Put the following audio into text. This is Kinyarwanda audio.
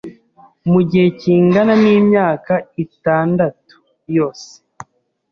mu gihe kingana n’imyaka itandatu yose